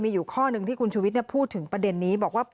มีอยู่ข้อหนึ่งที่คุณชุวิตพูดถึงประเด็นนี้บอกว่า